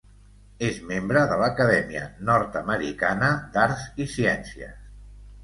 És membre de l’Acadèmia Nord-Americana d'Arts i Ciències.